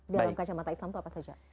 dalam kacamata islam itu apa saja